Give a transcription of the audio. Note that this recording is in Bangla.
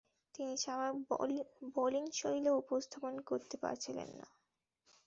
তিনি স্বাভাবিক বোলিংশৈলী উপস্থাপন করতে পারছিলেন না।